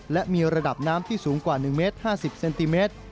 และมีระดับน้ำที่สูงกว่า๑เมตร๕๐เซนติเมตร